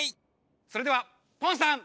それではポンさん！